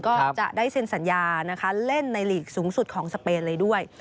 ก็จะได้เซ็นสัญญานะคะเล่นในหลีกสูงสุดของสเปนเลยด้วย